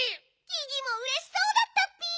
ギギもうれしそうだったッピ。